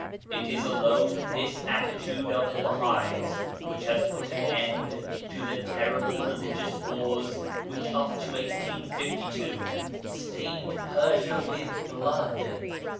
It is alone this attitude of the Bahais which has put an end to the terrible religious wars which up to 1852 stained Persia with blood.